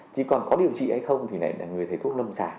chỉ còn có điều trị hay không thì là người thầy thuốc lâm trả